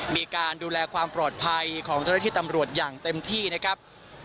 มีการดูแลความปลอดภัยของเจ้าหน้าที่ตำรวจอย่างเต็มที่นะครับ